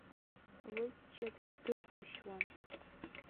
Лыччаԥшь дырхәашьуан.